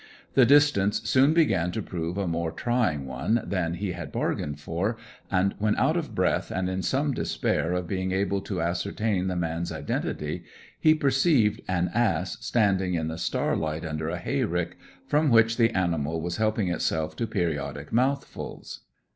The distance soon began to prove a more trying one than he had bargained for; and when out of breath and in some despair of being able to ascertain the man's identity, he perceived an ass standing in the starlight under a hayrick, from which the animal was helping itself to periodic mouthfuls.